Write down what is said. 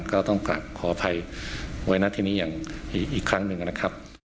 ก็ต้องกลับขออภัยไว้นะทีนี้อย่างอีกครั้งหนึ่งนะครับ